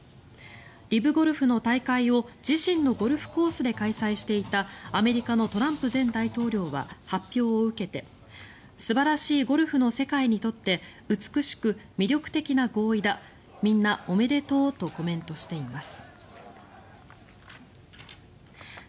ＬＩＶゴルフの大会を自身のゴルフコースで開催していたアメリカのトランプ前大統領は発表を受けて素晴らしいゴルフの世界にとって美しく魅力的な合意だみんなおめでとうとコメントしています。